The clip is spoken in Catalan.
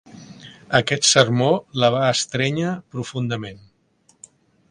Aquest sermó la va estrènyer profundament.